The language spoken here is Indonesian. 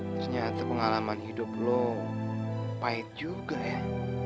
ternyata pengalaman hidup lo pahit juga ya